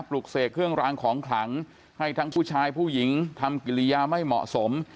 ลุกเสกเครื่องรางของขลังให้ทั้งผู้ชายผู้หญิงทำกิริยาไม่เหมาะสม